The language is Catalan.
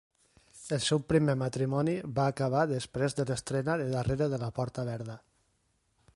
El seu primer matrimoni va acabar després de l'estrena de Darrere de la porta verda.